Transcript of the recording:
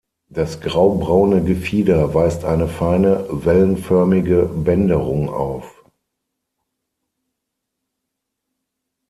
Das graubraune Gefieder weist eine feine, wellenförmige Bänderung auf.